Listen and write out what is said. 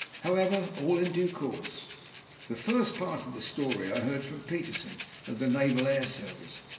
How ever, all in due course. The first part of the story I heard from Petersen, of the Naval Air Service.